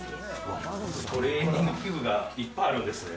トレーニング器具がいっぱいあるんですね。